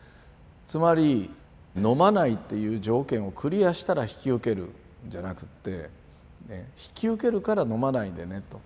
つまり飲まないっていう条件をクリアしたら引き受けるじゃなくって引き受けるから飲まないでねと。